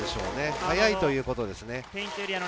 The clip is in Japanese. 早いということですね。